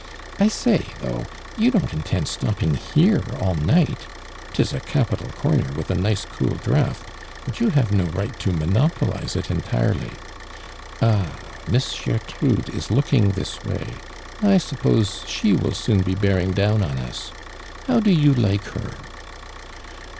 I say, though, you don't in tenil stopping here all night ! 'Tis a capital corner with a nice cool draft, but you have no right to monopolize it entirely 1 Ah, Miss (lertrude is looking this way, I stippose she will soon be bearing down on us. How <lo you like her?"